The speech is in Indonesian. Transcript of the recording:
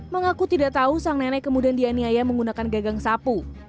mengaku tidak tahu sang nenek kemudian dianiaya menggunakan gagang sapu